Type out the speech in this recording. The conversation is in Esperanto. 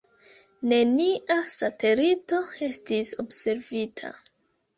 Nenia satelito estis observita.